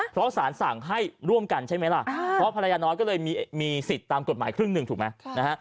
เพราะสารสั่งให้ร่วมกันใช่ไหมล่ะเพราะภรรยาน้อยก็เลยมีสิทธิ์ตามกฎหมายครึ่งหนึ่งถูกไหมนะฮะ